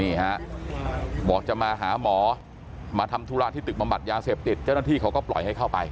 นี่ฮะบอกจะมาหาหมอมาทำธุระที่ตึกบำบัดยาเสพติดเจ้าหน้าที่เขาก็ปล่อยให้เข้าไป